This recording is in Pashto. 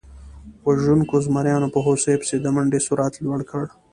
وژونکو زمریانو په هوسیو پسې د منډې سرعت لوړ کړ.